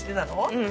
うん。